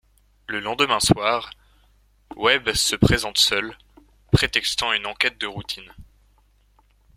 Le lendemain soir, Webb se présente seul, prétextant une enquête de routine.